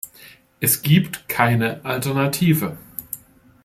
Es gibt keine Alternative.